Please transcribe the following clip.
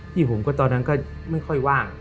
ผมก็ตอนนั้นก็ไม่ค่อยว่าง